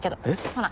ほな。